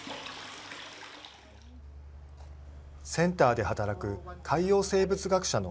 センターで働く海洋生物学者の